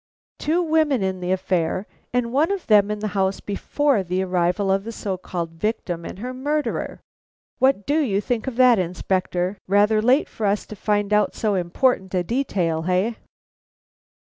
Two women in the affair, and one of them in the house before the arrival of the so called victim and her murderer! What do you think of that, Inspector? Rather late for us to find out so important a detail, eh?"